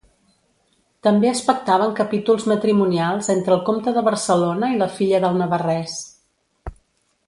També es pactaven capítols matrimonials entre el comte de Barcelona i la filla del navarrès.